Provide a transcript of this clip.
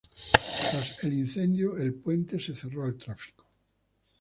Tras el incendio el puente se cerró al tráfico.